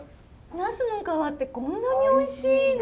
ナスの皮ってこんなにおいしいの？